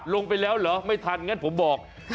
ลงไปแล้วเหรอไม่ทันงั้นผมบอก๐๘๖๙๒๕๐๘๕๙